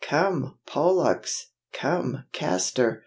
"Come, Pollux! come, Castor!"